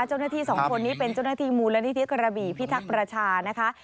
เจ้าหน้าที่สองคนนี้เป็นเจ้าหน้าที่มูลนิธิกระบี่พิทักษ์ประชานะคะ